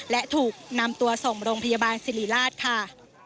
และถูกนำตัวส่งโรงพยาบาลสิริราชค่ะ